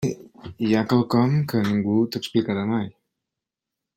Hi ha quelcom que ningú t'explicarà mai.